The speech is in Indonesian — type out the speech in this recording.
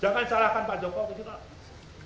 jangan salahkan pak jokowi